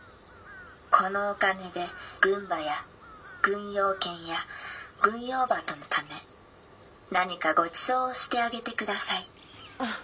『このお金で軍馬や軍用犬や軍用鳩のため何かごちそうをしてあげて下さい』と」。